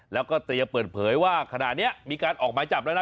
แล้วก็เตรียมเปิดเผยว่าขณะนี้มีการออกหมายจับแล้วนะ